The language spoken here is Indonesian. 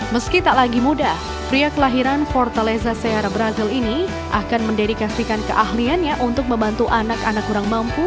meski tak lagi muda pria kelahiran fortaleza seara brazil ini akan mendedikasikan keahliannya untuk membantu anak anak kurang mampu